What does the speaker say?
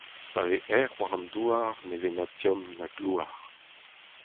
Pa vez erc'h war an douar ne vez na tomm na klouar.